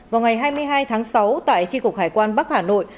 vào ngày hai mươi hai tháng sáu tại tri cục hải quan bắc hà nội